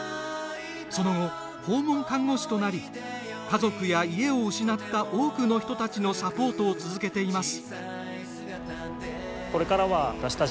その後、訪問看護師となり家族や家を失った多くの人たちのサポートを続けています。